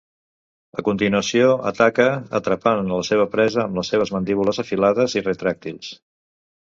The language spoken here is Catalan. I a continuació ataca, atrapant a la seva presa amb les seves mandíbules afilades i retràctils.